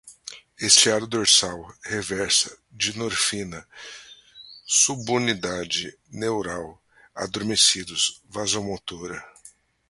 estriado dorsal, reversa, dinorfina, subunidade, neuronal, adormecidos, vasomotora